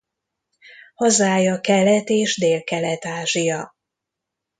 Hazája Kelet- és Délkelet-Ázsia.